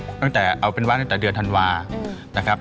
ตั้งแต่เอาเป็นว่าตั้งแต่เดือนธันวานะครับ